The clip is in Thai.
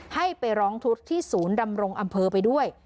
ให้ไปร้องทุกข์ที่ศูนย์ดำรงอำเภอไปด้วย